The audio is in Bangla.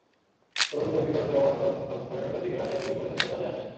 তদন্ত কমিটির সদস্যরা গতকাল সকাল সাড়ে নয়টার দিকে রাজশাহী মেডিকেল কলেজ হাসপাতালে আসেন।